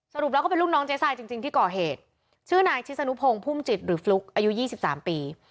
สรุปแล้วก็เป็นลูกน้องเจ๊ทรายจริงที่ก่อเหตุชื่อนายชิสนุพงศ์พุ่มจิตหรือฟลุ๊กอายุ๒๓ปี